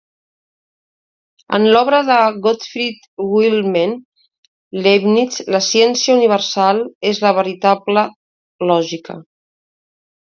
En l'obra de Gottfried Wilhelm Leibniz, la ciència universal és la veritable lògica.